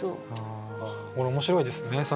これ面白いですね